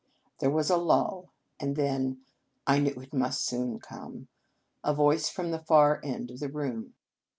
There was a lull, and then I knew it must soon come a voice from the far end of the room.